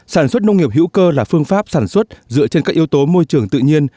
sản xuất nông nghiệp hữu cơ là phương pháp sản xuất dựa trên các yếu tố môi trường tự nhiên